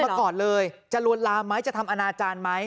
มาก่อนเลยจะลวนลามไหมจะทำอนาจารย์ไหม